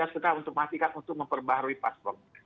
suka untuk memperbarui paspor